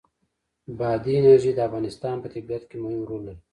بادي انرژي د افغانستان په طبیعت کې مهم رول لري.